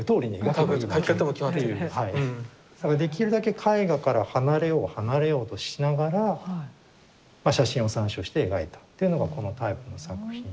できるだけ絵画から離れよう離れようとしながら写真を参照して描いたというのがこのタイプの作品で。